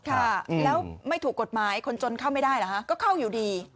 ค่ะแล้วไม่ถูกกฎหมายคนจนเข้าไม่ได้เหรอฮะก็เข้าอยู่ดี